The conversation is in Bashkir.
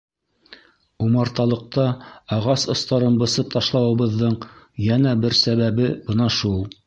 Умарталыҡта ағас остарын бысып ташлауыбыҙҙың йәнә бер сәбәбе бына шул.